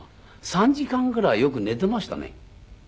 ３時間ぐらいよく寝ていましたね。